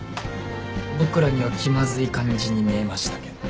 僕らには気まずい感じに見えましたけど。